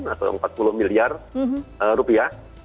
atau empat puluh miliar rupiah